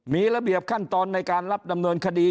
มีระเบียบขั้นตอนในการรับดำเนินคดี